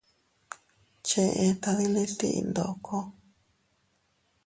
Cheʼe tadiliti ndoko.